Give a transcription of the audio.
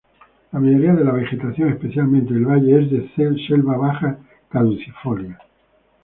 La mayoría de la vegetación, especialmente del valle, es de "Selva baja caducifolia".